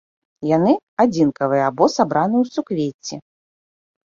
Яны адзінкавыя або сабраны ў суквецці.